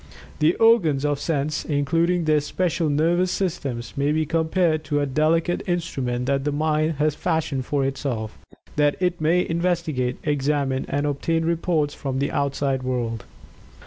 The organs of sense, including their special nervous systems, may be compared to a delicate instrument that the mind has fashioned for itself, that it may investigate, examine and obtain reports from the outside world.